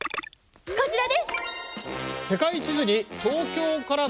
こちらです！